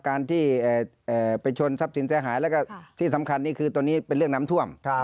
การที่ไปชนทรัพย์สินเสียหายแล้วก็ที่สำคัญนี่คือตอนนี้เป็นเรื่องน้ำท่วม